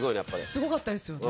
すごかったですよね。